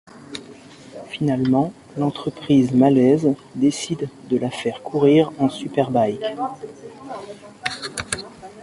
Finalement, l'entreprise malaise décide de la faire courir en Superbike.